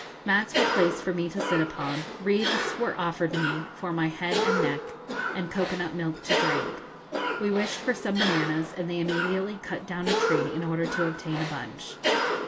Mats were placed for me to sit upon, wreaths were offered me for my head and neck, and cocoa nut milk to drink. We wished for some bananas, and they immediately cut down a tree in order to obtain a bunch.